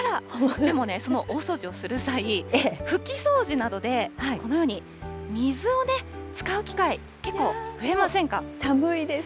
でもね、その大掃除をする際、拭き掃除などでこのように、水を使う機会、結構増えませんか？